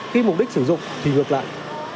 khi mục đích sử dụng thì ngược lại